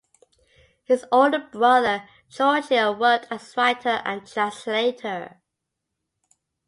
His older brother Giorgio worked as writer and translator.